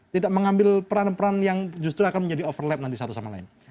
tidak mengambil peran peran yang justru akan menjadi overlap nanti satu sama lain